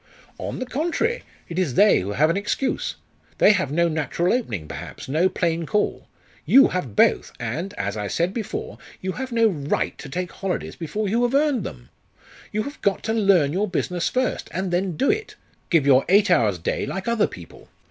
"On the contrary, it is they who have an excuse. They have no natural opening, perhaps no plain call. You have both, and, as I said before, you have no right to take holidays before you have earned them. You have got to learn your business first, and then do it. Give your eight hours' day like other people!